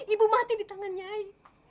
ibu mati di tangan nyai